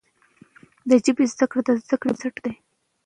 د ژبي زده کړه د زده کړې بنسټ دی.